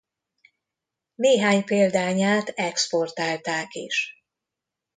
Néhány példányát exportálták is.